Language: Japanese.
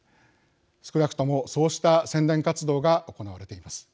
少なくともそうした宣伝活動が行われています。